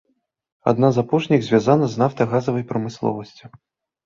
Адна з апошніх звязана з нафтагазавай прамысловасцю.